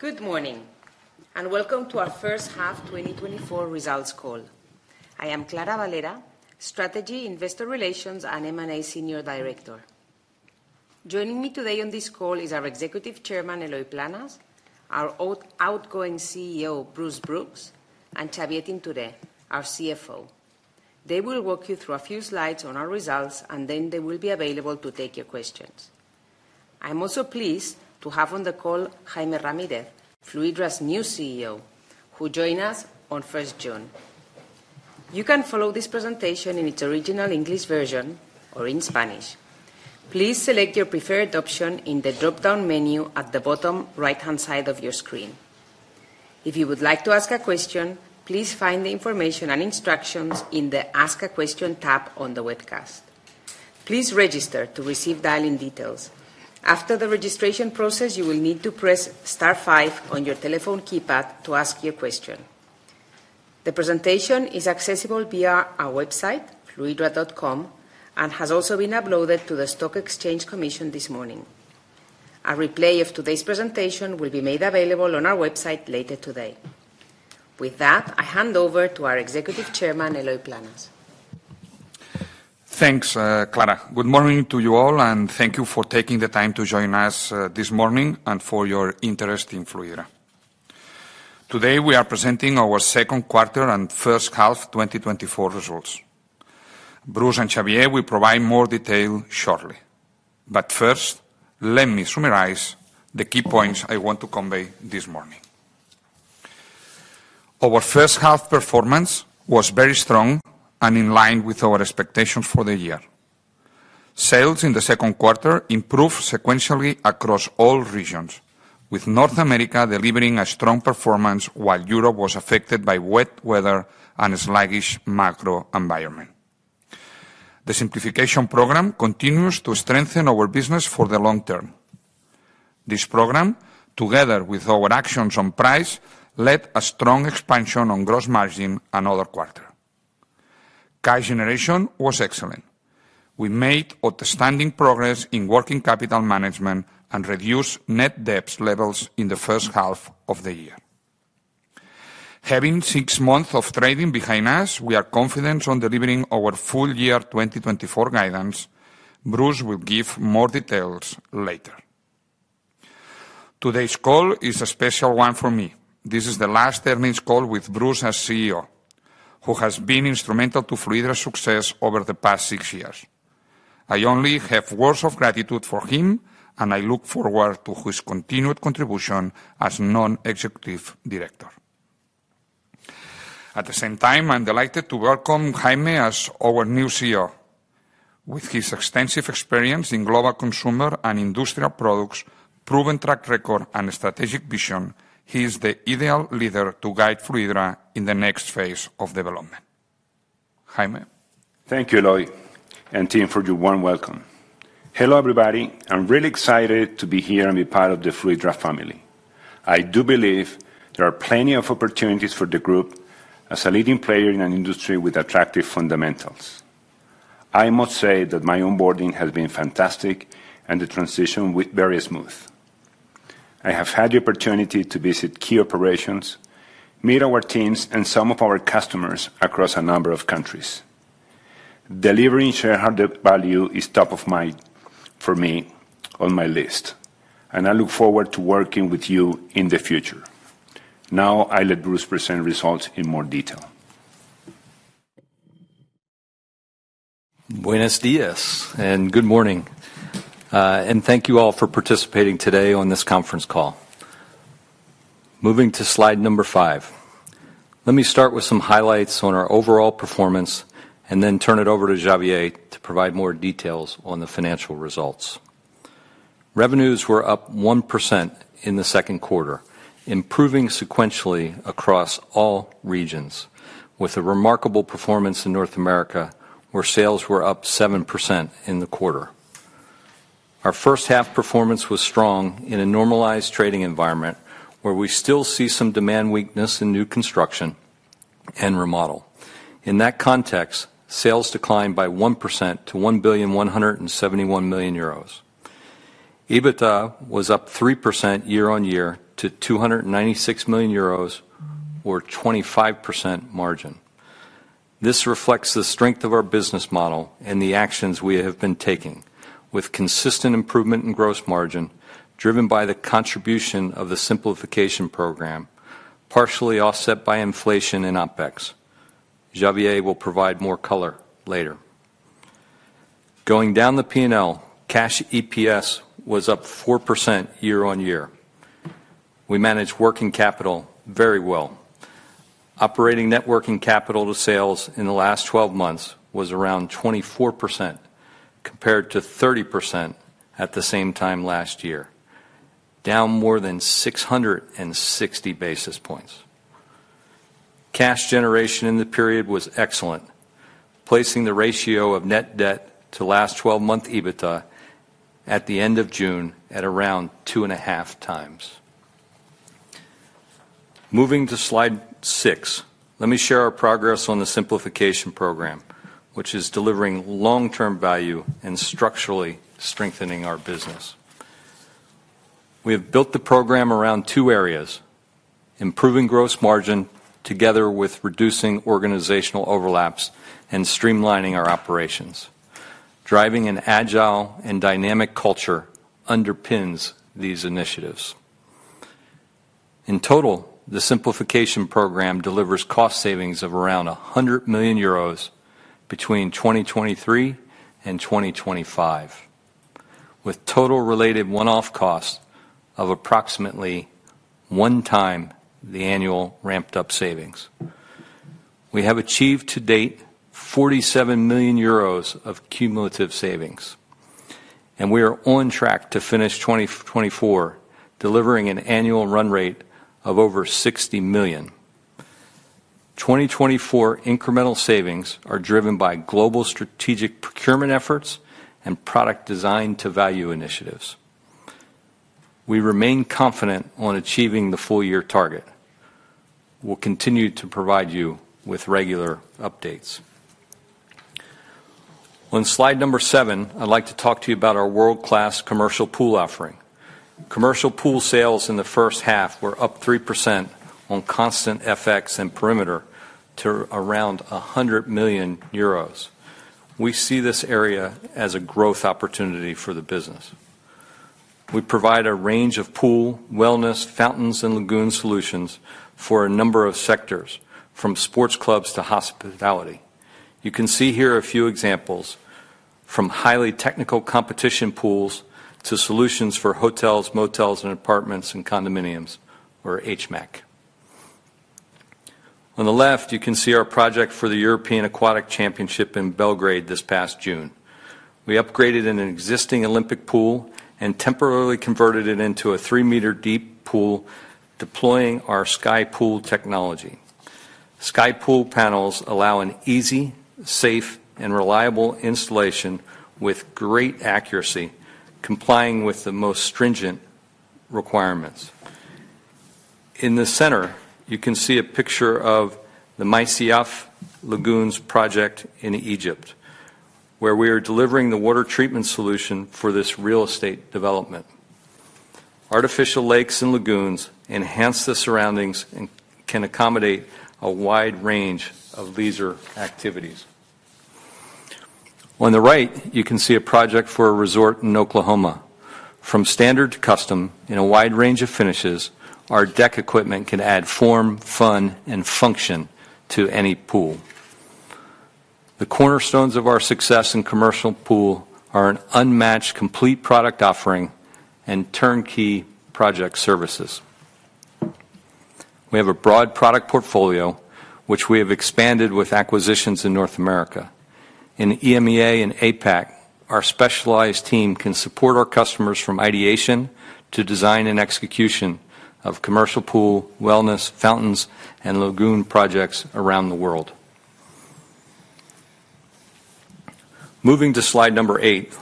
Good morning, and welcome to our first half 2024 results call. I am Clara Valera, Strategy, Investor Relations, and M&A Senior Director. Joining me today on this call is our Executive Chairman, Eloi Planes, our outgoing CEO, Bruce Brooks, and Xavier Tintoré, our CFO. They will walk you through a few slides on our results, and then they will be available to take your questions. I'm also pleased to have on the call Jaime Ramírez, Fluidra's new CEO, who join us on 1 June. You can follow this presentation in its original English version or in Spanish. Please select your preferred option in the dropdown menu at the bottom right-hand side of your screen. If you would like to ask a question, please find the information and instructions in the Ask a Question tab on the webcast. Please register to receive dial-in details. After the registration process, you will need to press star five on your telephone keypad to ask your question. The presentation is accessible via our website, fluidra.com, and has also been uploaded to the Securities and Exchange Commission this morning. A replay of today's presentation will be made available on our website later today. With that, I hand over to our Executive Chairman, Eloi Planes. Thanks, Clara. Good morning to you all, and thank you for taking the time to join us this morning and for your interest in Fluidra. Today, we are presenting our second quarter and first half 2024 results. Bruce and Xavier will provide more detail shortly. But first, let me summarize the key points I want to convey this morning. Our first half performance was very strong and in line with our expectations for the year. Sales in the second quarter improved sequentially across all regions, with North America delivering a strong performance, while Europe was affected by wet weather and a sluggish macro environment. The Simplification Program continues to strengthen our business for the long term. This program, together with our actions on price, led a strong expansion on gross margin another quarter. Cash generation was excellent. We made outstanding progress in working capital management and reduced net debt levels in the first half of the year. Having six months of trading behind us, we are confident on delivering our full year 2024 guidance. Bruce will give more details later. Today's call is a special one for me. This is the last earnings call with Bruce as CEO, who has been instrumental to Fluidra's success over the past six years. I only have words of gratitude for him, and I look forward to his continued contribution as non-executive director. At the same time, I'm delighted to welcome Jaime as our new CEO. With his extensive experience in global consumer and industrial products, proven track record, and strategic vision, he is the ideal leader to guide Fluidra in the next phase of development. Jaime? Thank you, Eloi, and team, for your warm welcome. Hello, everybody. I'm really excited to be here and be part of the Fluidra family. I do believe there are plenty of opportunities for the group as a leading player in an industry with attractive fundamentals. I must say that my onboarding has been fantastic and the transition went very smooth. I have had the opportunity to visit key operations, meet our teams and some of our customers across a number of countries. Delivering shareholder value is top of mind for me on my list, and I look forward to working with you in the future. Now, I let Bruce present results in more detail. Buenos días, and good morning, and thank you all for participating today on this conference call. Moving to slide number 5, let me start with some highlights on our overall performance, and then turn it over to Xavier to provide more details on the financial results. Revenues were up 1% in the second quarter, improving sequentially across all regions, with a remarkable performance in North America, where sales were up 7% in the quarter. Our first half performance was strong in a normalized trading environment, where we still see some demand weakness in new construction and remodel. In that context, sales declined by 1% to 1,171 million euros. EBITDA was up 3% year-over-year to 296 million euros, or 25% margin. This reflects the strength of our business model and the actions we have been taking, with consistent improvement in gross margin, driven by the contribution of the Simplification Program, partially offset by inflation and OpEx. Xavier will provide more color later. Going down the P&L, Cash EPS was up 4% year-on-year. We managed working capital very well. Operating net working capital to sales in the last 12 months was around 24%, compared to 30% at the same time last year, down more than 660 basis points. Cash generation in the period was excellent, placing the ratio of net debt to last 12-month EBITDA at the end of June at around 2.5 times. Moving to slide 6, let me share our progress on the Simplification Program, which is delivering long-term value and structurally strengthening our business. We have built the program around two areas: improving gross margin, together with reducing organizational overlaps and streamlining our operations. Driving an agile and dynamic culture underpins these initiatives. In total, the Simplification Program delivers cost savings of around 100 million euros between 2023 and 2025, with total related one-off costs of approximately one time the annual ramped-up savings. We have achieved to date 47 million euros of cumulative savings, and we are on track to finish 2024, delivering an annual run rate of over 60 million. 2024 incremental savings are driven by global strategic procurement efforts and product Design to Value initiatives. We remain confident on achieving the full year target. We'll continue to provide you with regular updates. On slide number 7, I'd like to talk to you about our world-class commercial pool offering. Commercial pool sales in the first half were up 3% on constant FX and perimeter to around 100 million euros. We see this area as a growth opportunity for the business. We provide a range of pool, wellness, fountains, and lagoon solutions for a number of sectors, from sports clubs to hospitality. You can see here a few examples, from highly technical competition pools to solutions for hotels, motels, and apartments, and condominiums, or HMAC. On the left, you can see our project for the European Aquatic Championship in Belgrade this past June. We upgraded an existing Olympic pool and temporarily converted it into a 3-meter deep pool, deploying our SkyPool technology. SkyPool panels allow an easy, safe, and reliable installation with great accuracy, complying with the most stringent requirements. In the center, you can see a picture of the Masyaf Lagoons project in Egypt, where we are delivering the water treatment solution for this real estate development. Artificial lakes and lagoons enhance the surroundings and can accommodate a wide range of leisure activities. On the right, you can see a project for a resort in Oklahoma. From standard to custom, in a wide range of finishes, our deck equipment can add form, fun, and function to any pool. The cornerstones of our success in commercial pool are an unmatched complete product offering and turnkey project services. We have a broad product portfolio, which we have expanded with acquisitions in North America. In EMEA and APAC, our specialized team can support our customers from ideation to design and execution of commercial pool, wellness, fountains, and lagoon projects around the world. Moving to slide number eight.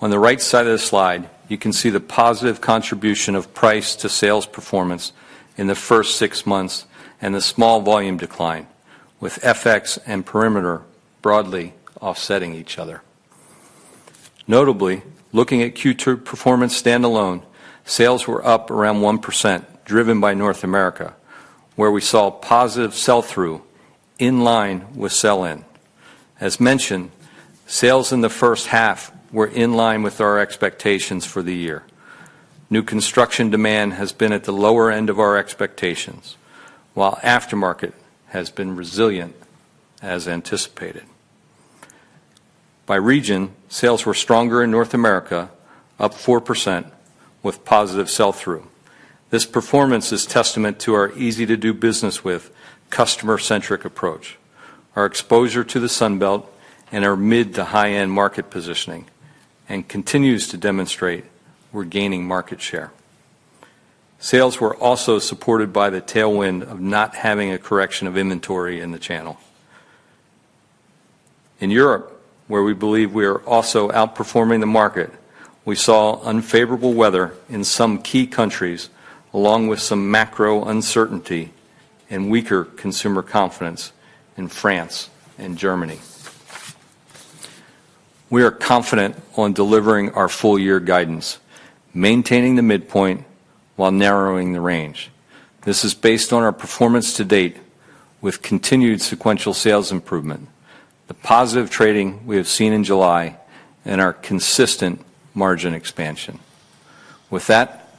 On the right side of the slide, you can see the positive contribution of price to sales performance in the first six months and the small volume decline, with FX and perimeter broadly offsetting each other. Notably, looking at Q2 performance standalone, sales were up around 1%, driven by North America, where we saw positive sell-through in line with sell-in. As mentioned, sales in the first half were in line with our expectations for the year. New construction demand has been at the lower end of our expectations, while aftermarket has been resilient as anticipated. By region, sales were stronger in North America, up 4%, with positive sell-through. This performance is testament to our easy-to-do-business-with, customer-centric approach, our exposure to the Sun Belt, and our mid to high-end market positioning, and continues to demonstrate we're gaining market share. Sales were also supported by the tailwind of not having a correction of inventory in the channel. In Europe, where we believe we are also outperforming the market, we saw unfavorable weather in some key countries, along with some macro uncertainty and weaker consumer confidence in France and Germany. We are confident on delivering our full year guidance, maintaining the midpoint while narrowing the range. This is based on our performance to date with continued sequential sales improvement, the positive trading we have seen in July, and our consistent margin expansion. With that,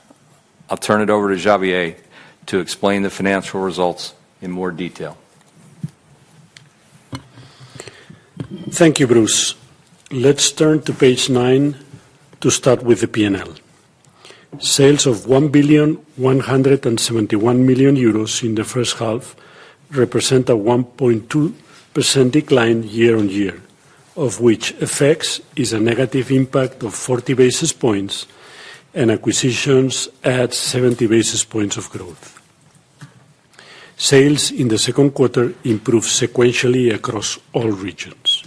I'll turn it over to Xavier to explain the financial results in more detail. Thank you, Bruce. Let's turn to page nine to start with the P&L. Sales of 1,171 million euros in the first half represent a 1.2% decline year-on-year, of which effects is a negative impact of 40 basis points and acquisitions add 70 basis points of growth. Sales in the second quarter improved sequentially across all regions.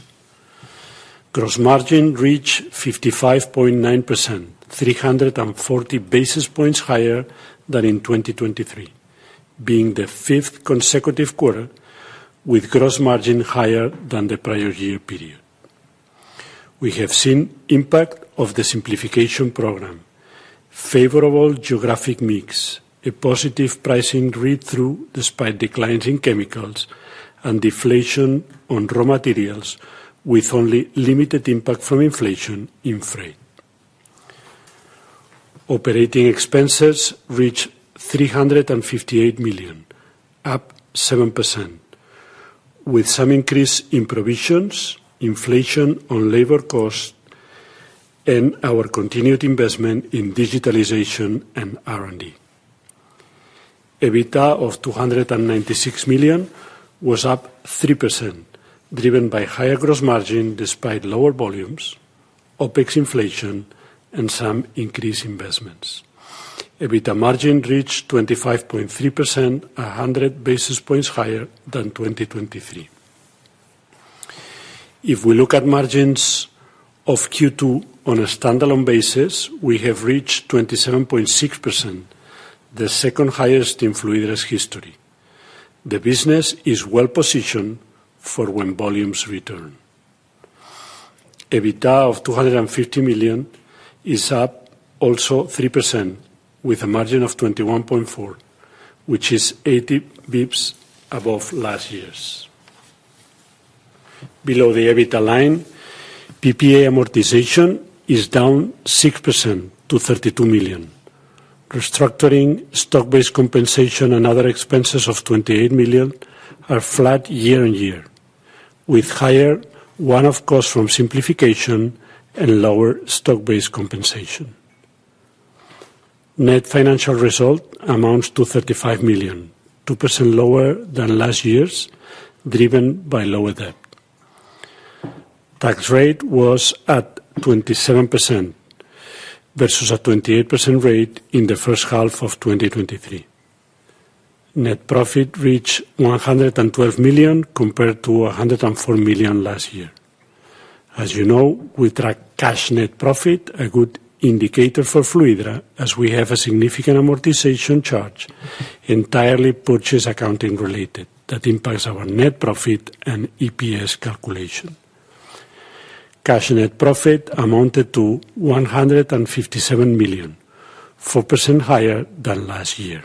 Gross margin reached 55.9%, 340 basis points higher than in 2023, being the fifth consecutive quarter with gross margin higher than the prior year period. We have seen impact of the Simplification Program, favorable geographic mix, a positive pricing read-through, despite declines in chemicals, and deflation on raw materials, with only limited impact from inflation in freight. Operating expenses reached 358 million, up 7%, with some increase in provisions, inflation on labor costs, and our continued investment in digitalization and R&D. EBITDA of 296 million was up 3%, driven by higher gross margin despite lower volumes, OpEx inflation, and some increased investments. EBITDA margin reached 25.3%, 100 basis points higher than 2023. If we look at margins of Q2 on a standalone basis, we have reached 27.6%, the second highest in Fluidra's history. The business is well-positioned for when volumes return. EBITDA of 250 million is up also 3%, with a margin of 21.4, which is 80 basis points above last year's. Below the EBITDA line, PPA amortization is down 6% to 32 million. Restructuring, stock-based compensation, and other expenses of 28 million are flat year-on-year, with higher one-off costs from simplification and lower stock-based compensation. Net financial result amounts to 35 million, 2% lower than last year's, driven by lower debt. Tax rate was at 27%, versus a 28% rate in the first half of 2023. Net profit reached 112 million, compared to 104 million last year. As you know, we track Cash Net Profit, a good indicator for Fluidra, as we have a significant amortization charge, entirely purchase accounting related, that impacts our net profit and EPS calculation. Cash net profit amounted to 157 million, 4% higher than last year.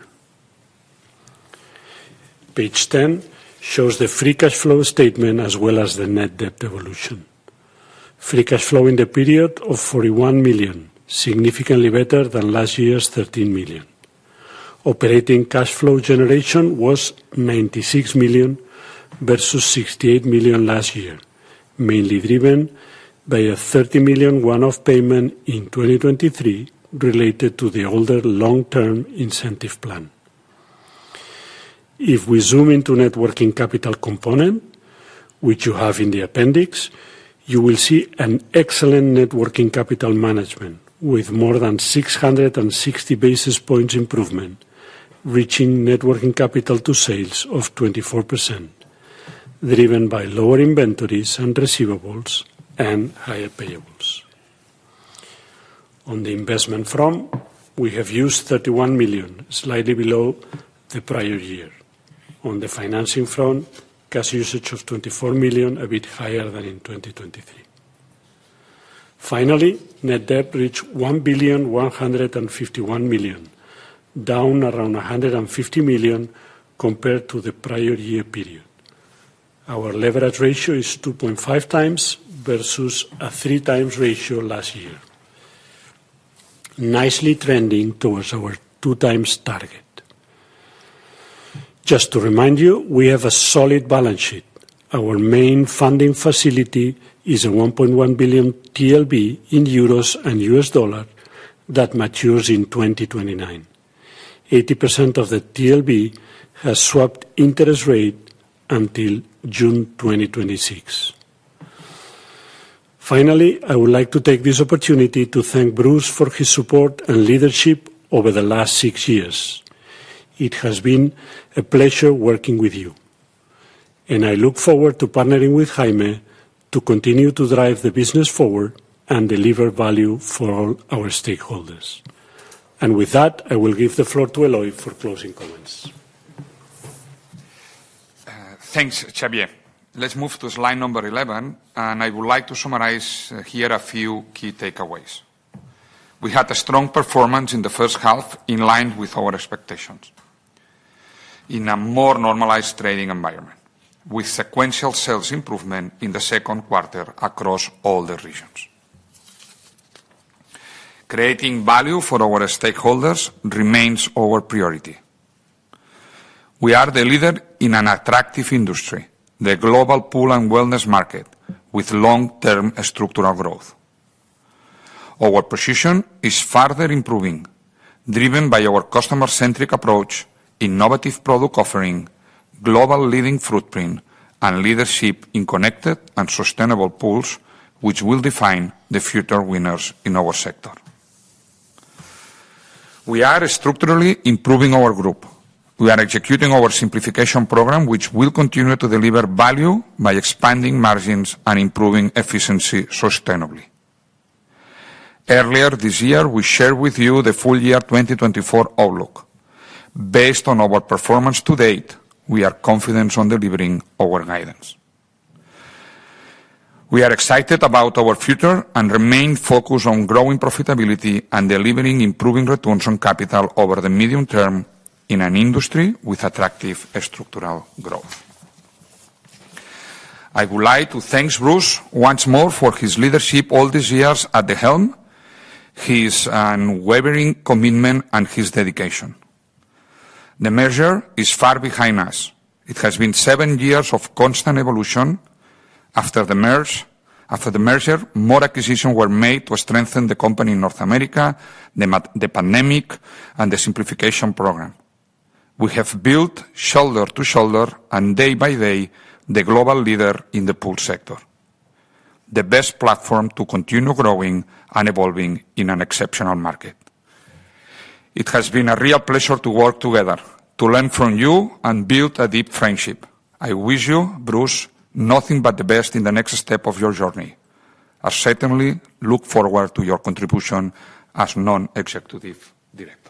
Page 10 shows the free cash flow statement, as well as the net debt evolution. Free cash flow in the period of 41 million, significantly better than last year's 13 million. Operating cash flow generation was 96 million versus 68 million last year, mainly driven by a 30 million one-off payment in 2023 related to the older long-term incentive plan. If we zoom into net working capital component, which you have in the appendix, you will see an excellent net working capital management, with more than 660 basis points improvement, reaching net working capital to sales of 24%, driven by lower inventories and receivables, and higher payables. On the investment front, we have used 31 million, slightly below the prior year. On the financing front, cash usage of 24 million, a bit higher than in 2023. Finally, net debt reached 1,151 million, down around 150 million compared to the prior year period. Our leverage ratio is 2.5 times versus a 3 times ratio last year. Nicely trending towards our 2 times target. Just to remind you, we have a solid balance sheet. Our main funding facility is a 1.1 billion TLB in euros and U.S. dollar that matures in 2029. 80% of the TLB has swapped interest rate until June 2026. Finally, I would like to take this opportunity to thank Bruce for his support and leadership over the last six years. It has been a pleasure working with you, and I look forward to partnering with Jaime to continue to drive the business forward and deliver value for all our stakeholders. With that, I will give the floor to Eloi for closing comments. Thanks, Xavier. Let's move to slide number 11, and I would like to summarize here a few key takeaways. We had a strong performance in the first half, in line with our expectations, in a more normalized trading environment, with sequential sales improvement in the second quarter across all the regions. Creating value for our stakeholders remains our priority. We are the leader in an attractive industry, the global pool and wellness market, with long-term structural growth. Our position is further improving, driven by our customer-centric approach, innovative product offering, global leading footprint, and leadership in connected and sustainable pools, which will define the future winners in our sector.... We are structurally improving our group. We are executing our Simplification Program, which will continue to deliver value by expanding margins and improving efficiency sustainably. Earlier this year, we shared with you the full year 2024 outlook. Based on our performance to date, we are confident on delivering our guidance. We are excited about our future and remain focused on growing profitability and delivering improving returns on capital over the medium term in an industry with attractive structural growth. I would like to thank Bruce once more for his leadership all these years at the helm, his unwavering commitment, and his dedication. The merger is far behind us. It has been seven years of constant evolution. After the merger, more acquisitions were made to strengthen the company in North America, the pandemic, and the Simplification Program. We have built shoulder to shoulder and day by day, the global leader in the pool sector, the best platform to continue growing and evolving in an exceptional market. It has been a real pleasure to work together, to learn from you and build a deep friendship. I wish you, Bruce, nothing but the best in the next step of your journey. I certainly look forward to your contribution as non-executive director.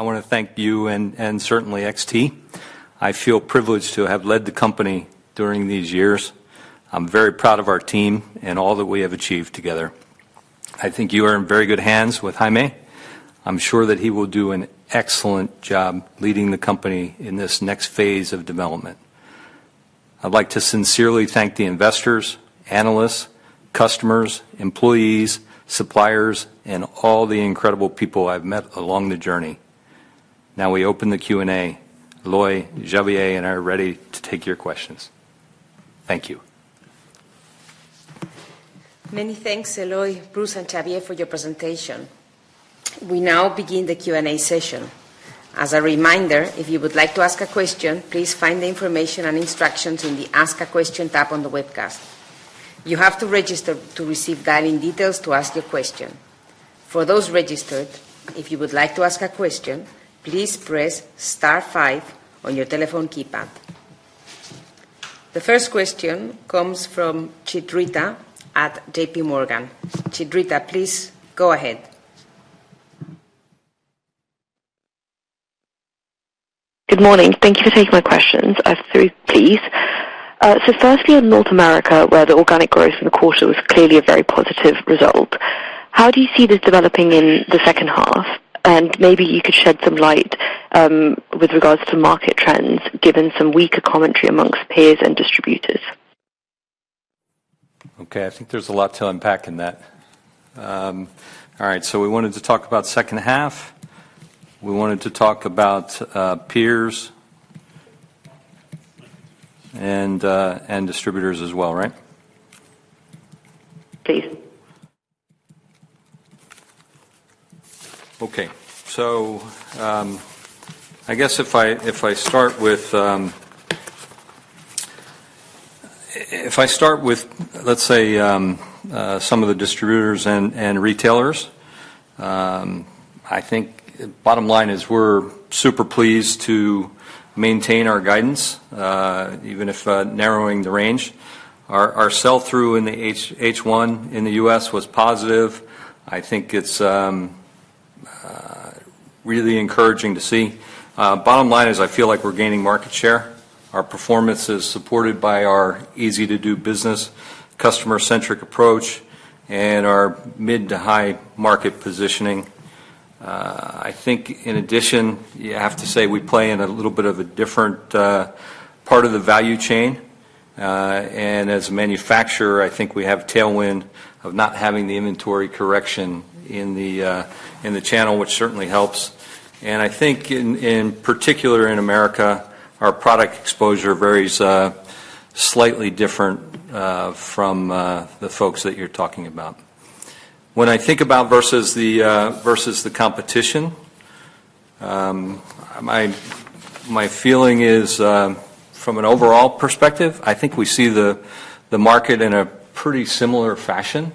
I think the pleasure has been mine, Eloi. I wanna thank you and certainly XT. I feel privileged to have led the company during these years. I'm very proud of our team and all that we have achieved together. I think you are in very good hands with Jaime. I'm sure that he will do an excellent job leading the company in this next phase of development. I'd like to sincerely thank the investors, analysts, customers, employees, suppliers, and all the incredible people I've met along the journey. Now we open the Q&A. Eloi, Xavier, and I are ready to take your questions. Thank you. Many thanks, Eloi, Bruce, and Xavier, for your presentation. We now begin the Q&A session. As a reminder, if you would like to ask a question, please find the information and instructions in the Ask a Question tab on the webcast. You have to register to receive dial-in details to ask your question. For those registered, if you would like to ask a question, please press star five on your telephone keypad. The first question comes from Chitrita at J.P. Morgan. Chitrita, please go ahead. Good morning. Thank you for taking my questions. I have three, please. So firstly, on North America, where the organic growth in the quarter was clearly a very positive result, how do you see this developing in the second half? And maybe you could shed some light, with regards to market trends, given some weaker commentary among peers and distributors? Okay, I think there's a lot to unpack in that. All right, so we wanted to talk about second half. We wanted to talk about, peers and, and distributors as well, right? Please. Okay. So, I guess if I start with, let's say, some of the distributors and retailers, I think bottom line is we're super pleased to maintain our guidance, even if narrowing the range. Our sell-through in the H1 in the U.S. was positive. I think it's really encouraging to see. Bottom line is, I feel like we're gaining market share. Our performance is supported by our easy-to-do business, customer-centric approach, and our mid to high market positioning. I think in addition, you have to say we play in a little bit of a different part of the value chain. And as a manufacturer, I think we have tailwind of not having the inventory correction in the channel, which certainly helps. I think in particular in America, our product exposure varies slightly different from the folks that you're talking about. When I think about versus the competition, my feeling is from an overall perspective, I think we see the market in a pretty similar fashion.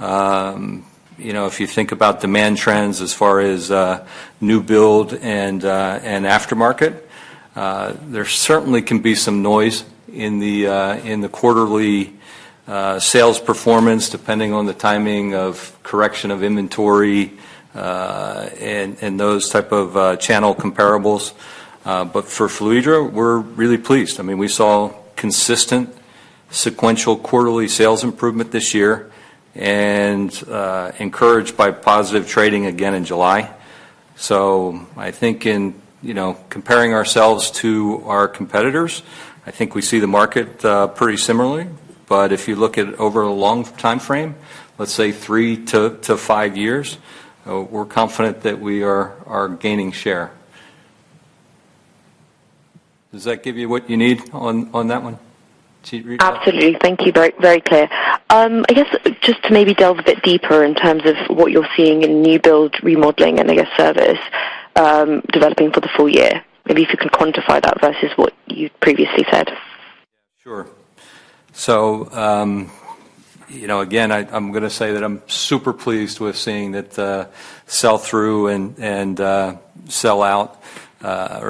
You know, if you think about demand trends as far as new build and aftermarket, there certainly can be some noise in the quarterly sales performance, depending on the timing of correction of inventory and those type of channel comparables. But for Fluidra, we're really pleased. I mean, we saw consistent sequential quarterly sales improvement this year and encouraged by positive trading again in July. So I think in, you know, comparing ourselves to our competitors, I think we see the market pretty similarly. But if you look at over a long timeframe, let's say 3-5 years, we're confident that we are gaining share. Does that give you what you need on that one, Chitrita? Absolutely. Thank you. Very, very clear. I guess just to maybe delve a bit deeper in terms of what you're seeing in new build, remodeling, and I guess service, developing for the full year. Maybe if you can quantify that versus what you've previously said? Yeah, sure. So, you know, again, I'm gonna say that I'm super pleased with seeing that sell-through and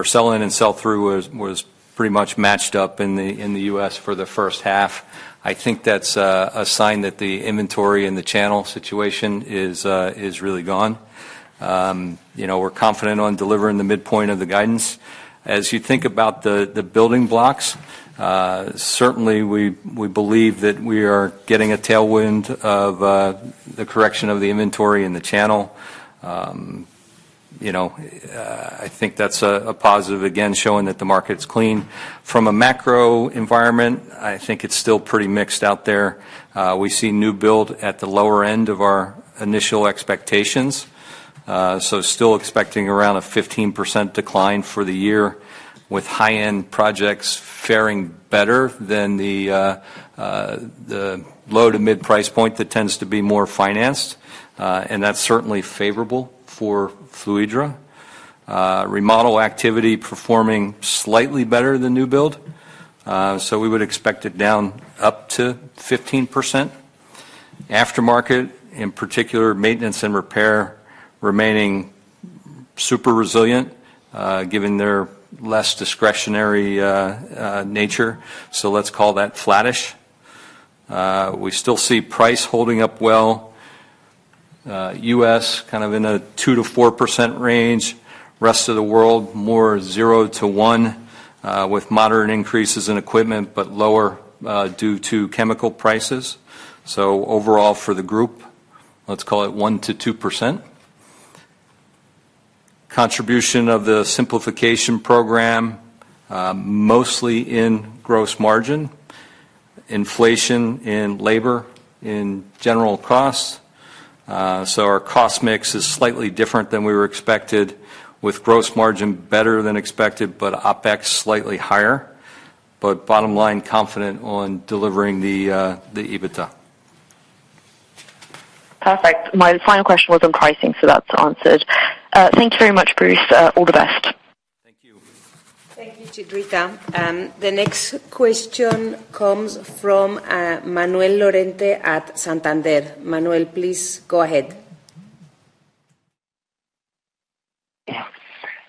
sell-in and sell-through was pretty much matched up in the U.S. for the first half. I think that's a sign that the inventory and the channel situation is really gone. You know, we're confident on delivering the midpoint of the guidance. As you think about the building blocks, certainly, we believe that we are getting a tailwind of the correction of the inventory in the channel. You know, I think that's a positive, again, showing that the market's clean. From a macro environment, I think it's still pretty mixed out there. We see new build at the lower end of our initial expectations. So still expecting around a 15% decline for the year, with high-end projects faring better than the low to mid-price point that tends to be more financed. And that's certainly favorable for Fluidra. Remodel activity performing slightly better than new build, so we would expect it down up to 15%. Aftermarket, in particular, maintenance and repair, remaining super resilient, given their less discretionary nature. So let's call that flattish. We still see price holding up well. U.S., kind of in a 2%-4% range. Rest of the world, more 0%-1%, with moderate increases in equipment, but lower, due to chemical prices. So overall, for the group, let's call it 1%-2%. Contribution of the Simplification Program, mostly in gross margin. Inflation in labor, in general costs. So our cost mix is slightly different than we were expected, with gross margin better than expected, but OpEx slightly higher. But bottom line, confident on delivering the EBITDA. Perfect. My final question was on pricing, so that's answered. Thank you very much, Bruce. All the best. Thank you. Thank you, Chitrita. The next question comes from Manuel Lorente at Santander. Manuel, please go ahead.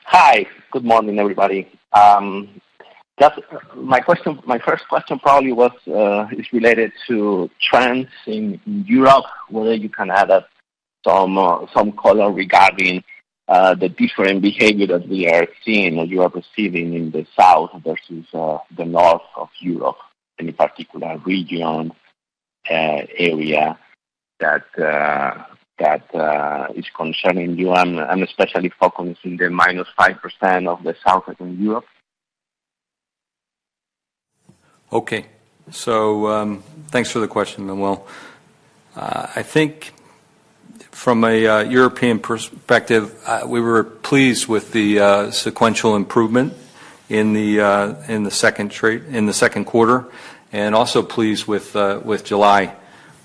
Hi, good morning, everybody. My question, my first question probably was, is related to trends in Europe, whether you can add up some color regarding the different behavior that we are seeing, or you are receiving in the south versus the north of Europe, any particular region, area that is concerning you. I'm especially focusing the -5% of Southern Europe. Okay. So, thanks for the question, Manuel. I think from a European perspective, we were pleased with the sequential improvement in the second quarter, and also pleased with July,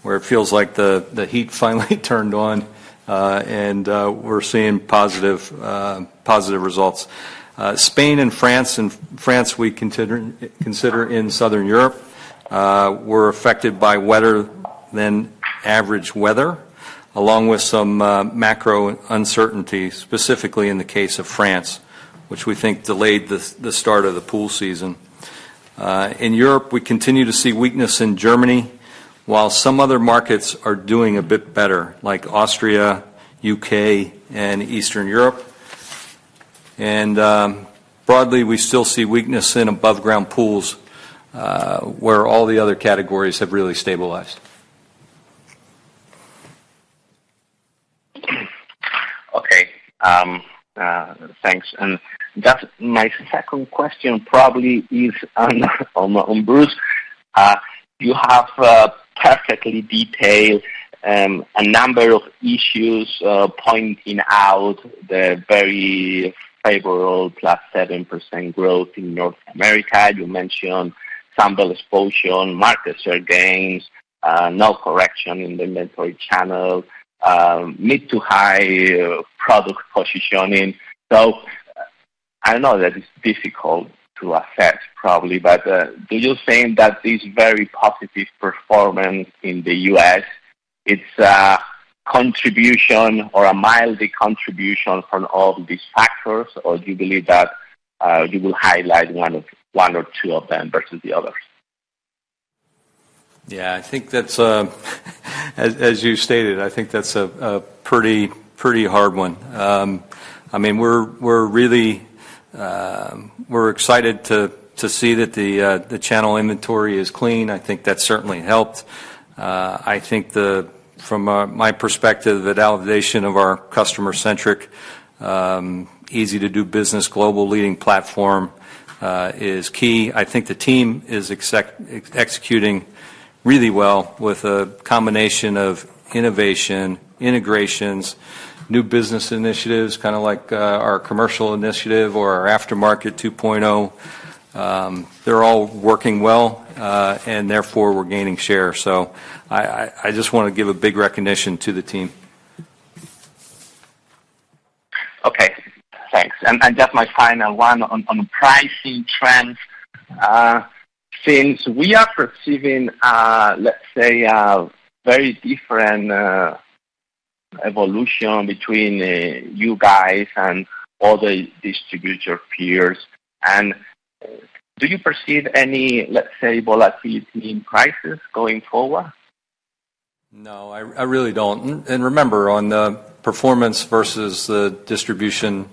where it feels like the heat finally turned on, and we're seeing positive results. Spain and France, we consider in Southern Europe, were affected by wetter than average weather, along with some macro uncertainty, specifically in the case of France, which we think delayed the start of the pool season. In Europe, we continue to see weakness in Germany, while some other markets are doing a bit better, like Austria, U.K., and Eastern Europe. And, broadly, we still see weakness in above-ground pools, where all the other categories have really stabilized. Okay, thanks. And that's my second question, probably is on Bruce. You have perfectly detailed a number of issues, pointing out the very favorable +7% growth in North America. You mentioned some exposure on market share gains, no correction in the inventory channel, mid to high product positioning. So I know that it's difficult to assess, probably, but do you think that this very positive performance in the US, it's a contribution or a mildly contribution from all these factors? Or do you believe that you will highlight one of, one or two of them versus the others? Yeah, I think that's as you stated. I think that's a pretty hard one. I mean, we're really excited to see that the channel inventory is clean. I think that certainly helped. I think from my perspective, the validation of our customer-centric, easy-to-do business, global leading platform is key. I think the team is executing really well with a combination of innovation, integrations, new business initiatives, kinda like our commercial initiative or our Aftermarket 2.0. They're all working well, and therefore, we're gaining share. So I just wanna give a big recognition to the team. Okay, thanks. And just my final one on pricing trends. Since we are perceiving, let's say, a very different evolution between you guys and all the distributor peers, and do you perceive any, let's say, volatility in prices going forward? No, I really don't. And remember, on the performance versus the distribution,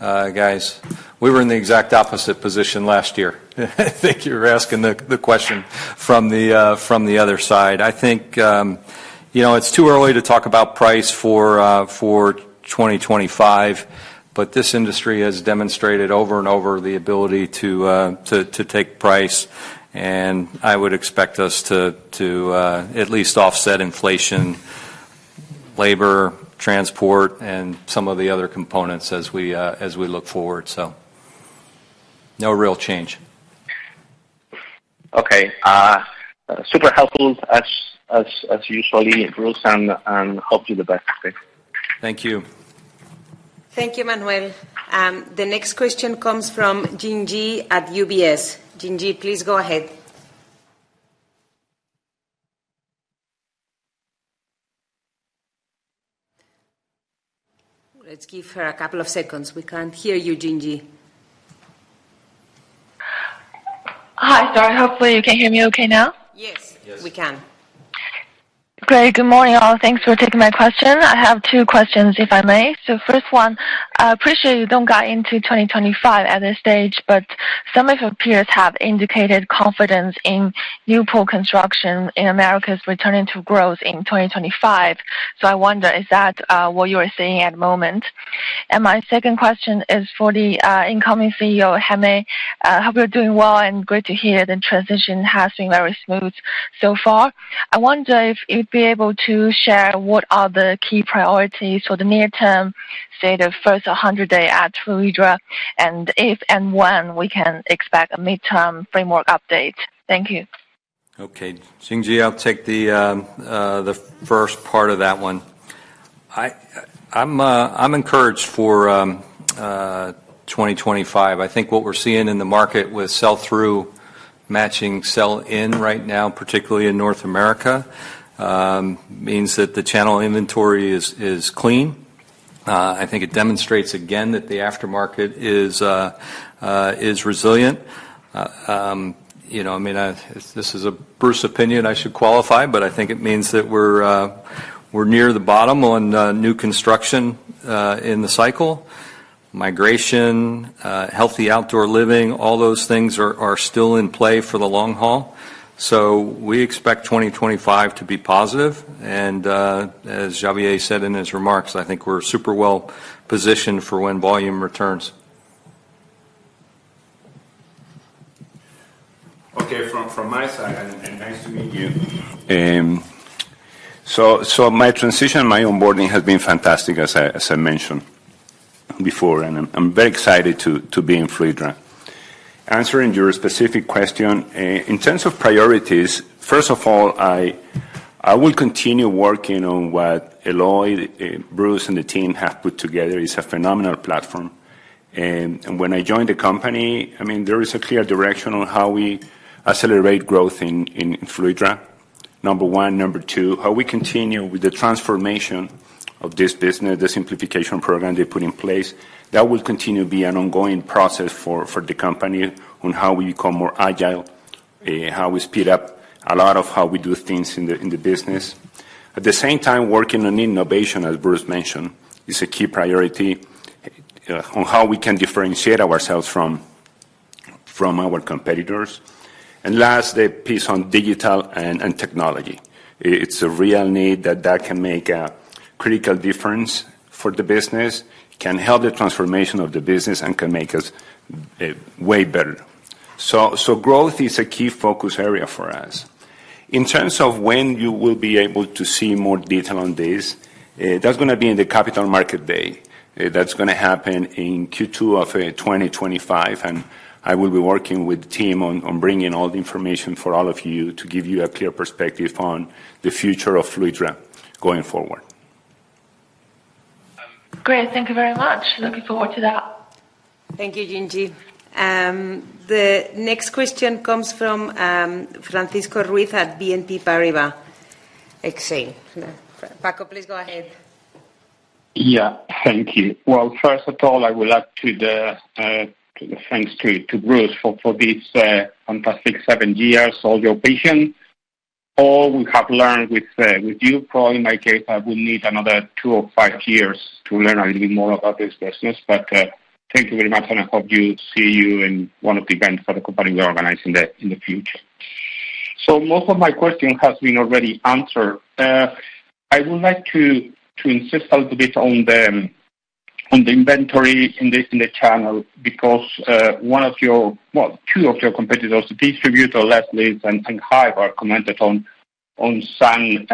guys, we were in the exact opposite position last year. I think you were asking the question from the other side. I think, you know, it's too early to talk about price for 2025, but this industry has demonstrated over and over the ability to take price, and I would expect us to at least offset inflation, labor, transport, and some of the other components as we look forward. So no real change. Okay. Super helpful as usual, Bruce, and hope you the best. Okay. Thank you. Thank you, Manuel. The next question comes from Jingyi at UBS. Jingyi, please go ahead. Let's give her a couple of seconds. We can't hear you, Jingyi. Hi, there. Hopefully, you can hear me okay now. Yes. We can. Okay. Great. Good morning, all. Thanks for taking my question. I have two questions, if I may. So first one, I appreciate you don't got into 2025 at this stage, but some of your peers have indicated confidence in new pool construction in America's returning to growth in 2025. So I wonder, is that what you are seeing at the moment? And my second question is for the incoming CEO, Jaime. Hope you're doing well, and great to hear the transition has been very smooth so far. I wonder if you'd be able to share what are the key priorities for the near term, say, the first 100 days at Fluidra, and if and when we can expect a midterm framework update. Thank you. Okay. Jingyi, I'll take the first part of that one. I'm encouraged for 2025. I think what we're seeing in the market with sell-through matching sell-in right now, particularly in North America, means that the channel inventory is clean. I think it demonstrates again that the aftermarket is resilient. You know, I mean, this is a Bruce opinion, I should qualify, but I think it means that we're near the bottom on new construction in the cycle. Migration, healthy outdoor living, all those things are still in play for the long haul. So we expect 2025 to be positive, and as Xavier said in his remarks, I think we're super well positioned for when volume returns. Okay, from my side, and nice to meet you. So, my transition, my onboarding has been fantastic, as I mentioned before, and I'm very excited to be in Fluidra. Answering your specific question, in terms of priorities, first of all, I will continue working on what Eloi, Bruce, and the team have put together. It's a phenomenal platform. And when I joined the company, I mean, there is a clear direction on how we accelerate growth in Fluidra, number one. Number two, how we continue with the transformation of this business, the Simplification Program they put in place. That will continue to be an ongoing process for the company on how we become more agile, how we speed up a lot of how we do things in the business. At the same time, working on innovation, as Bruce mentioned, is a key priority on how we can differentiate ourselves from our competitors. And last, the piece on digital and technology. It's a real need that can make a critical difference for the business, can help the transformation of the business, and can make us way better. So growth is a key focus area for us. In terms of when you will be able to see more detail on this, that's gonna be in the Capital Market Day. That's gonna happen in Q2 of 2025, and I will be working with the team on bringing all the information for all of you to give you a clear perspective on the future of Fluidra going forward. Great. Thank you very much. Looking forward to that. Thank you, Jingyi. The next question comes from Francisco Ruiz at BNP Paribas. Excellent. Paco, please go ahead. Yeah, thank you. Well, first of all, I would like to thank Bruce for this fantastic seven years, all your patience, all we have learned with you. Probably, in my case, I will need another two or five years to learn a little bit more about this business. But, thank you very much, and I hope to see you in one of the events for the company we are organizing in the future. So most of my question has been already answered. I would like to insist a little bit on the inventory in the channel, because one of your... well, two of your competitors, Leslie's and Hayward, have commented on some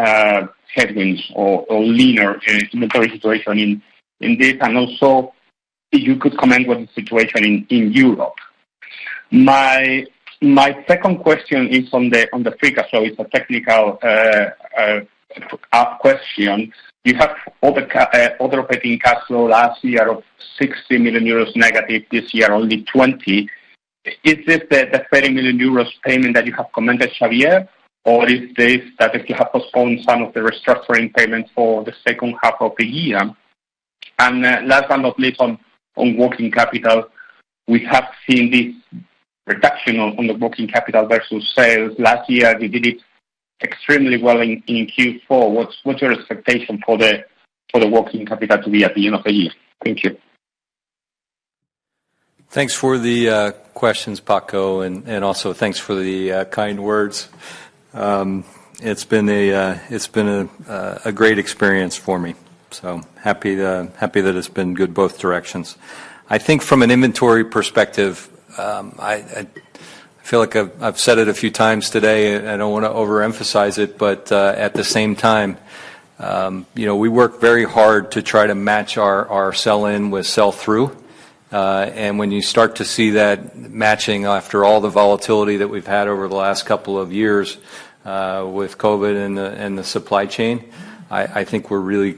headwinds or leaner inventory situation in this. And also, if you could comment on the situation in Europe? My second question is on the free cash flow. It's a technical ask question. You have operating cash flow last year of -60 million euros, this year only 20 million. Is this the 30 million euros payment that you have commented, Xavier? Or is this that if you have postponed some of the restructuring payments for the second half of the year? And last but not least, on working capital, we have seen this reduction on the working capital versus sales. Last year, we did it extremely well in Q4. What's your expectation for the working capital to be at the end of the year? Thank you. Thanks for the questions, Paco, and also thanks for the kind words. It's been a great experience for me, so happy to... Happy that it's been good both directions. I think from an inventory perspective, I feel like I've said it a few times today, and I don't wanna overemphasize it, but at the same time, you know, we work very hard to try to match our sell-in with sell-through. And when you start to see that matching after all the volatility that we've had over the last couple of years, with COVID and the supply chain, I think we're really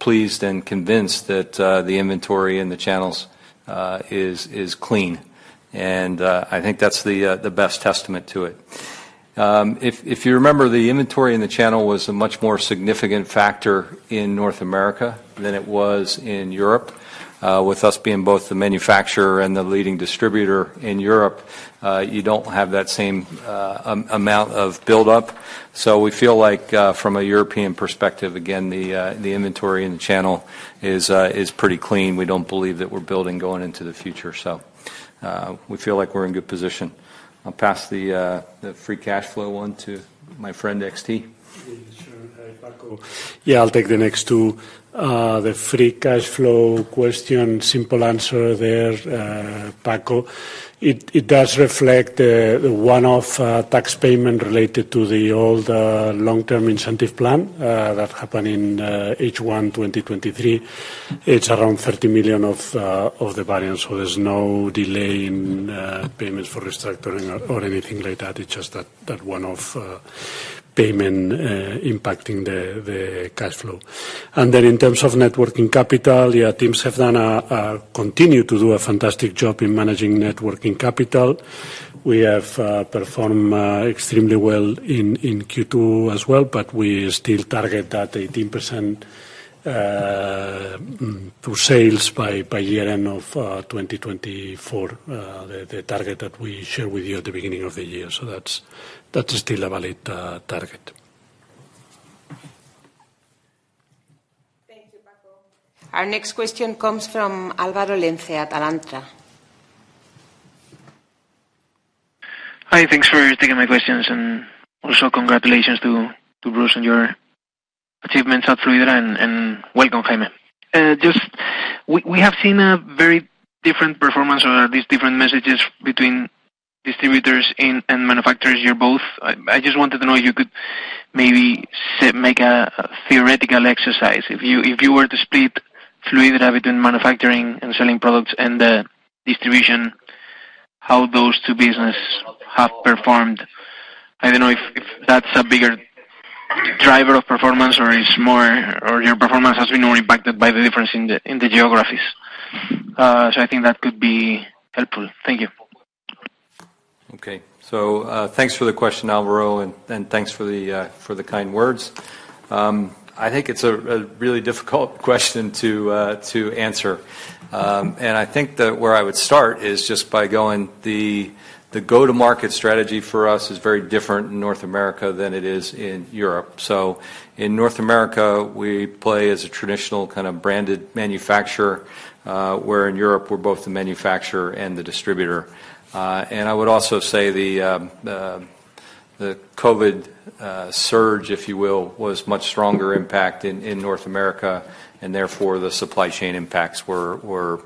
pleased and convinced that the inventory and the channels is clean. And I think that's the best testament to it. If you remember, the inventory in the channel was a much more significant factor in North America than it was in Europe. With us being both the manufacturer and the leading distributor in Europe, you don't have that same amount of buildup. So we feel like, from a European perspective, again, the inventory in the channel is pretty clean. We don't believe that we're building going into the future. So we feel like we're in good position. I'll pass the free cash flow one to my friend, XT. Yeah, sure, Paco. Yeah, I'll take the next two. The free cash flow question, simple answer there, Paco. It does reflect the one-off tax payment related to the old long-term incentive plan that happened in H1 2023. It's around 30 million of the variance, so there's no delay in payments for restructuring or anything like that. It's just that one-off payment impacting the cash flow. And then in terms of net working capital, yeah, teams have done a - continue to do a fantastic job in managing net working capital. We have performed extremely well in Q2 as well, but we still target that 18% to sales by year-end of 2024, the target that we shared with you at the beginning of the year. So that's still a valid target. Thank you, Paco. Our next question comes from Álvaro Lenze at Alantra. Hi, thanks for taking my questions, and also congratulations to Bruce on your achievements at Fluidra and welcome, Jaime. Just we have seen a very different performance or at least different messages between distributors and manufacturers. You're both... I just wanted to know if you could maybe make a theoretical exercise. If you were to split Fluidra between manufacturing and selling products and the distribution, how those two business have performed. I don't know if that's a bigger driver of performance or it's more, or your performance has been more impacted by the difference in the geographies. So I think that could be helpful. Thank you. Okay. So, thanks for the question, Álvaro, and thanks for the kind words. I think it's a really difficult question to answer. I think that where I would start is just by going the go-to-market strategy for us is very different in North America than it is in Europe. So in North America, we play as a traditional, kind of, branded manufacturer, where in Europe, we're both the manufacturer and the distributor. I would also say the COVID surge, if you will, was much stronger impact in North America, and therefore, the supply chain impacts were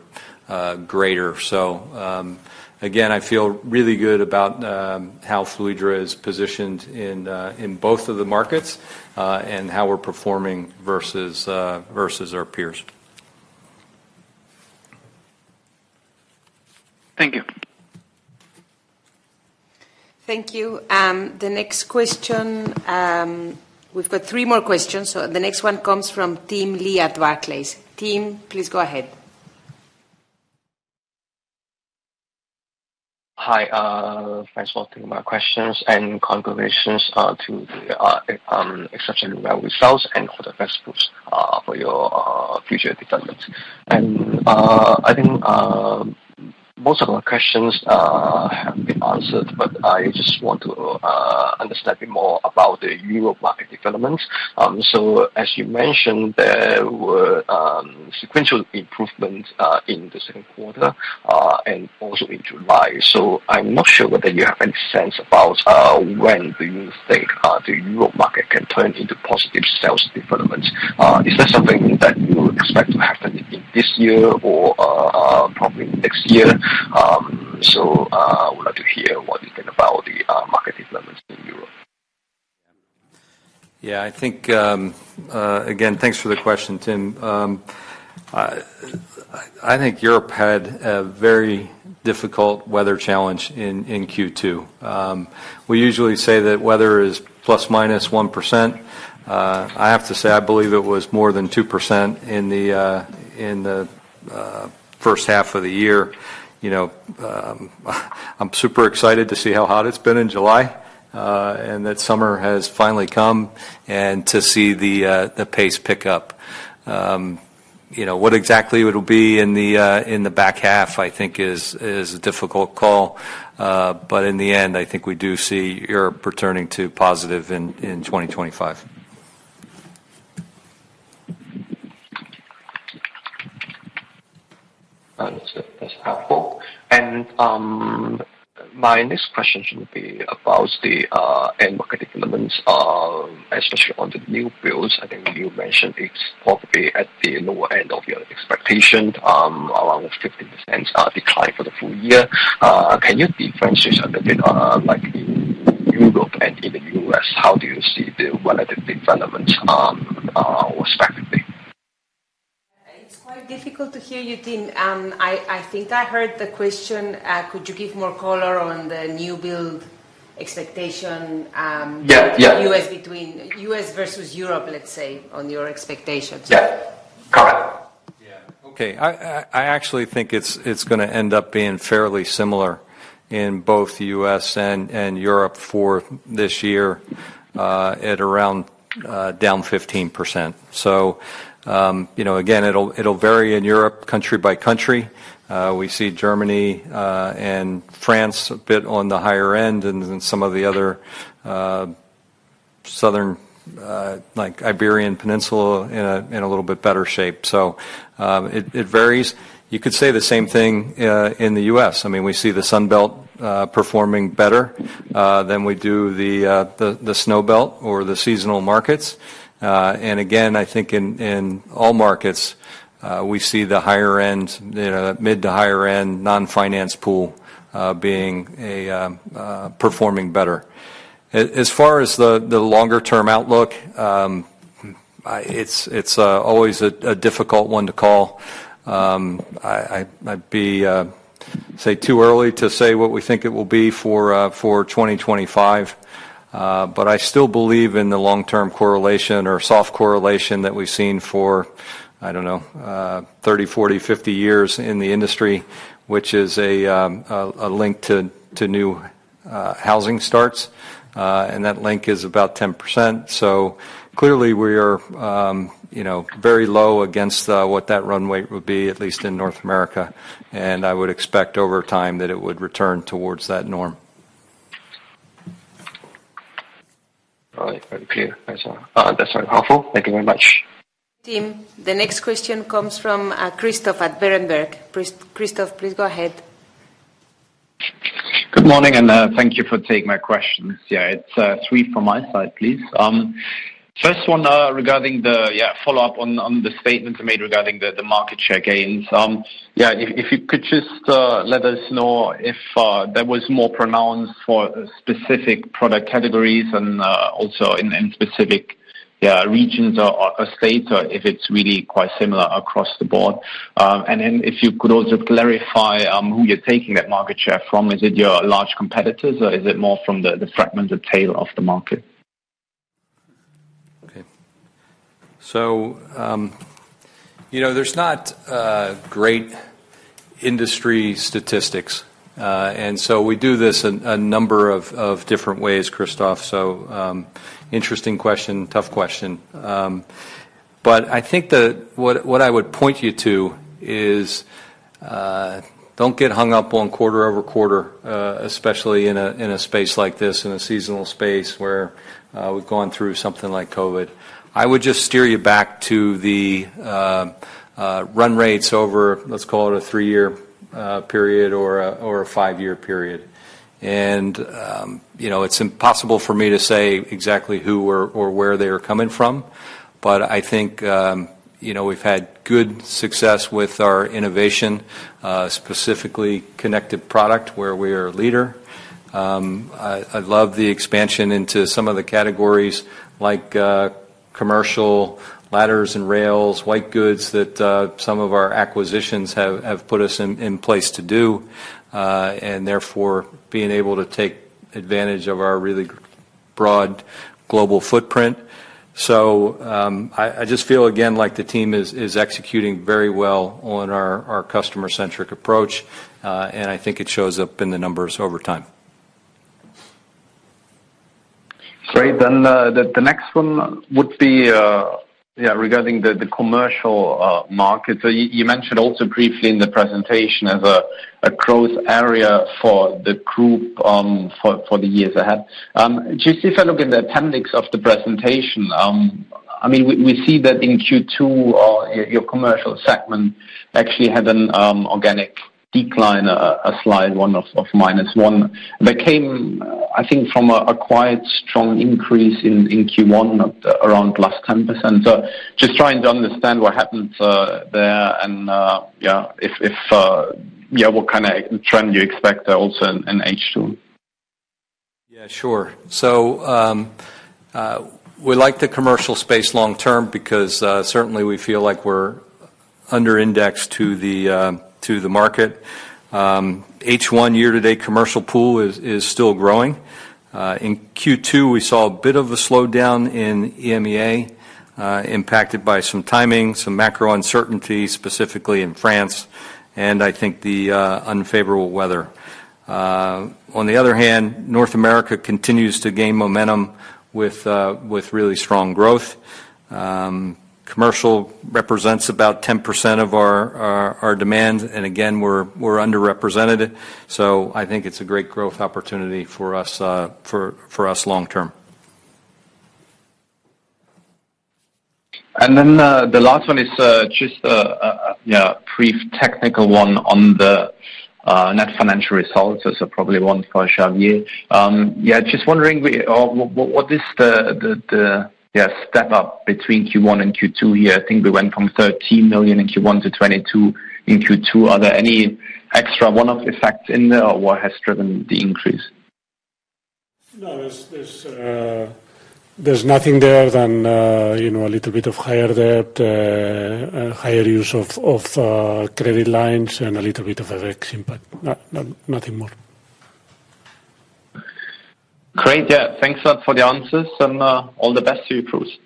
greater. So, again, I feel really good about how Fluidra is positioned in both of the markets, and how we're performing versus our peers. Thank you. Thank you. The next question. We've got three more questions. So the next one comes from Tim Lee at Barclays. Tim, please go ahead. Hi, thanks for taking my questions, and congratulations to the exceptionally well results and all the best moves for your future development. I think most of the questions have been answered, but I just want to understand a bit more about the European development. As you mentioned, there were sequential improvements in the second quarter and also in July. I'm not sure whether you have any sense about when do you think the Europe market can turn into positive sales developments. Is that something that you expect to happen in this year or probably next year? I would like to hear what you think about the market development.... Yeah, I think, again, thanks for the question, Tim. I think Europe had a very difficult weather challenge in Q2. We usually say that weather is ±1%. I have to say, I believe it was more than 2% in the first half of the year. You know, I'm super excited to see how hot it's been in July, and that summer has finally come, and to see the pace pick up. You know, what exactly it'll be in the back half, I think, is a difficult call. But in the end, I think we do see Europe returning to positive in 2025. That's, that's helpful. My next question should be about the end market developments, especially on the new builds. I think you mentioned it's probably at the lower end of your expectation, around 15% decline for the full year. Can you differentiate a little bit, like in Europe and in the U.S., how do you see the relative developments, respectively? It's quite difficult to hear you, Tim. I think I heard the question. Could you give more color on the new build expectation? Yeah. Yeah U.S. versus Europe, let's say, on your expectations? Yeah. Correct. Yeah. Okay. I actually think it's gonna end up being fairly similar in both the US and Europe for this year, at around down 15%. So, you know, again, it'll vary in Europe, country by country. We see Germany and France a bit on the higher end than some of the other southern, like Iberian Peninsula, in a little bit better shape. So, it varies. You could say the same thing in the US. I mean, we see the Sun Belt performing better than we do the Snow Belt or the seasonal markets. And again, I think in all markets, we see the higher end, the mid to higher end non-finance pool being a performing better. As far as the longer term outlook, it's always a difficult one to call. I'd say it's too early to say what we think it will be for 2025. But I still believe in the long-term correlation or soft correlation that we've seen for, I don't know, 30, 40, 50 years in the industry, which is a link to new housing starts, and that link is about 10%. So clearly, we are, you know, very low against what that runway would be, at least in North America, and I would expect over time that it would return towards that norm. All right. Thank you. That's very helpful. Thank you very much. Tim, the next question comes from Christoph at Berenberg. Christoph, please go ahead. Good morning, and thank you for taking my questions. Yeah, it's three from my side, please. First one, regarding the follow-up on the statements you made regarding the market share gains. If you could just let us know if that was more pronounced for specific product categories and also in specific regions or states, or if it's really quite similar across the board. And then if you could also clarify who you're taking that market share from. Is it your large competitors, or is it more from the fragmented tail of the market? Okay. So, you know, there's not great industry statistics, and so we do this in a number of different ways, Christoph. So, interesting question, tough question. But I think that what I would point you to is, don't get hung up on quarter-over-quarter, especially in a space like this, in a seasonal space, where we've gone through something like COVID. I would just steer you back to the run rates over, let's call it a three-year period or a five-year period. And, you know, it's impossible for me to say exactly who or where they are coming from, but I think, you know, we've had good success with our innovation, specifically connected product, where we are a leader. I love the expansion into some of the categories like commercial ladders and rails, white goods, that some of our acquisitions have put us in place to do, and therefore, being able to take advantage of our really broad global footprint. So, I just feel again, like the team is executing very well on our customer-centric approach, and I think it shows up in the numbers over time. Great. Then the next one would be, yeah, regarding the commercial market. So you mentioned also briefly in the presentation as a growth area for the group, for the years ahead. Just if I look in the appendix of the presentation, I mean, we see that in Q2 your commercial segment actually had an organic decline, a slide of -1, that came, I think, from a quite strong increase in Q1, around +10%. So just trying to understand what happened there, and yeah, what kind of trend you expect also in H2?... Yeah, sure. So, we like the commercial space long term because, certainly we feel like we're under indexed to the, to the market. H1 year-to-date commercial pool is still growing. In Q2, we saw a bit of a slowdown in EMEA, impacted by some timing, some macro uncertainty, specifically in France, and I think the, unfavorable weather. On the other hand, North America continues to gain momentum with, with really strong growth. Commercial represents about 10% of our demand, and again, we're underrepresented. So I think it's a great growth opportunity for us, for us long term. And then, the last one is just yeah, a brief technical one on the net financial results. This is probably one for Xavier. Yeah, just wondering what is the step up between Q1 and Q2 here? I think we went from 13 million in Q1 to 22 million in Q2. Are there any extra one-off effects in there, or what has driven the increase? No, there's nothing there other than, you know, a little bit of higher debt, higher use of credit lines and a little bit of FX, but nothing more. Great. Yeah. Thanks a lot for the answers, and all the best to you, Bruce.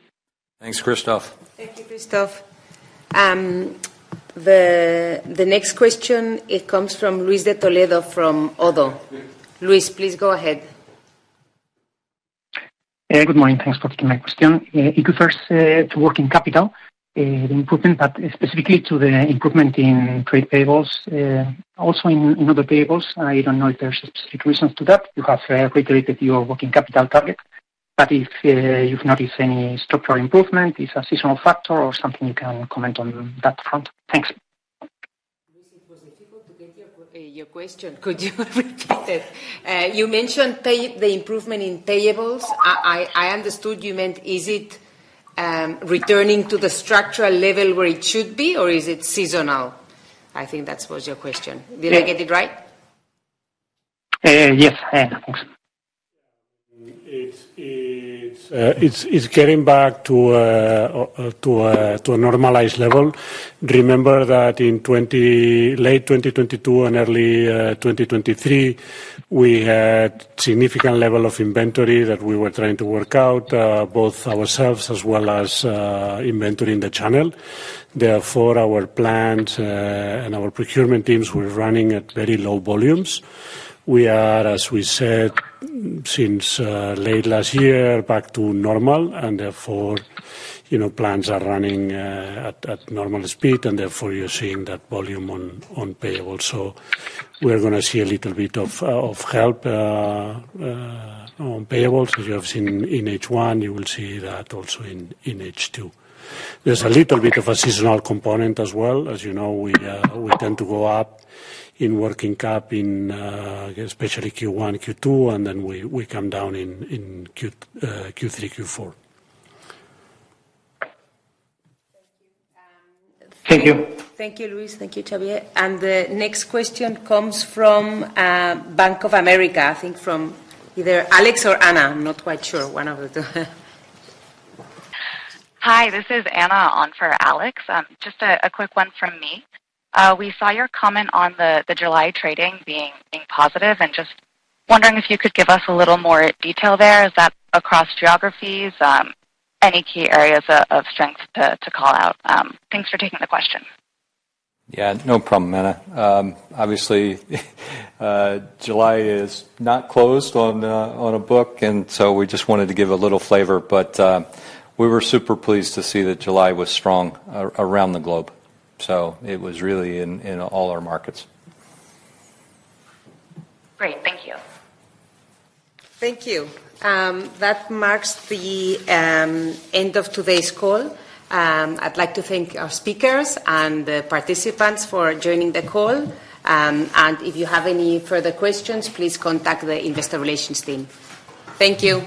Thanks, Christoph. Thank you, Christoph. The next question, it comes from Luis De Toledo, from Oddo. Luis, please go ahead. Good morning. Thanks for taking my question. If you first to working capital improvement, but specifically to the improvement in trade payables, also in other payables. I don't know if there's specific reasons to that. You have regulated your working capital target, but if you've noticed any structural improvement, it's a seasonal factor or something you can comment on that front? Thanks. Luis, it was difficult to get your question. Could you repeat it? You mentioned the improvement in payables. I understood you meant is it returning to the structural level where it should be, or is it seasonal? I think that was your question. Yeah. Did I get it right? Yes. Thanks. It's getting back to a normalized level. Remember that in late 2022 and early 2023, we had significant level of inventory that we were trying to work out, both ourselves as well as inventory in the channel. Therefore, our plant and our procurement teams were running at very low volumes. We are, as we said, since late last year, back to normal, and therefore, you know, plants are running at normal speed, and therefore you're seeing that volume on payables. So we're gonna see a little bit of help on payables, as you have seen in H1, you will see that also in H2. There's a little bit of a seasonal component as well. As you know, we tend to go up in working cap, especially in Q1, Q2, and then we come down in Q3, Q4. Thank you. Thank you, Luis. Thank you, Xavier. And the next question comes from Bank of America, I think from either Alex or Anna. I'm not quite sure. One of the two. Hi, this is Anna on for Alex. Just a quick one from me. We saw your comment on the July trading being positive, and just wondering if you could give us a little more detail there. Is that across geographies? Any key areas of strength to call out? Thanks for taking the question. Yeah, no problem, Anna. Obviously, July is not closed on a, on a book, and so we just wanted to give a little flavor, but we were super pleased to see that July was strong around the globe. So it was really in, in all our markets. Great. Thank you. Thank you. That marks the end of today's call. I'd like to thank our speakers and the participants for joining the call. And if you have any further questions, please contact the investor relations team. Thank you.